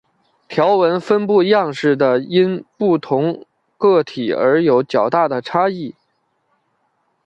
条纹分布样式的因不同个体而有较大的差异。